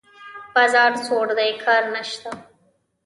بازار سوړ دی؛ کار نشته.